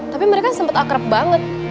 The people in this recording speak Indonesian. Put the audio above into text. tapi mereka sempat akrab banget